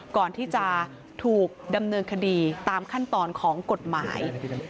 ก่อนที่จะถูกดำเนินคดีตามขั้นตอนของกฎหมาย